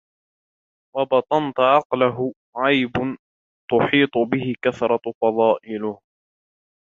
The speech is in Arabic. وَبَطَنْتَ عَقْلَهُ عَيْبٌ تُحِيطُ بِهِ كَثْرَةُ فَضَائِلِهِ